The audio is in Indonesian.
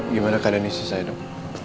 gimana keadaan istri saya dok